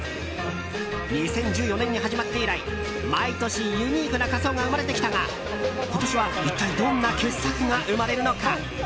２０１４年に始まって以来毎年ユニークな仮装が生まれてきたが今年は一体どんな傑作が生まれるのか。